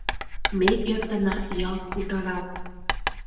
Ме кертына ялт утаралт...